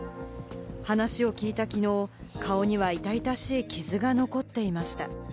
話を聞いたきのう、顔には痛々しい傷が残っていました。